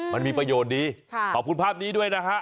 มันมีประโยชน์ดีขอบคุณภาพนี้ด้วยนะฮะ